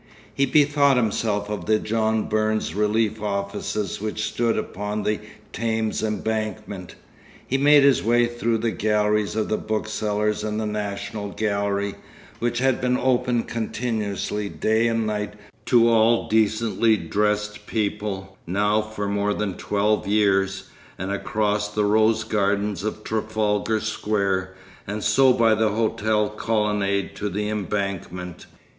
He bethought himself of the John Burns Relief Offices which stood upon the Thames Embankment. He made his way through the galleries of the booksellers and the National Gallery, which had been open continuously day and night to all decently dressed people now for more than twelve years, and across the rose gardens of Trafalgar Square, and so by the hotel colonnade to the Embankment.